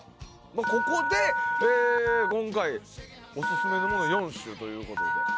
ここで、今回オススメのもの４種ということで。